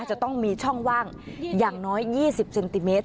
จะต้องมีช่องว่างอย่างน้อย๒๐เซนติเมตร